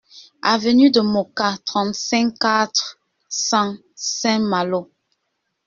Avenue de Moka, trente-cinq, quatre cents Saint-Malo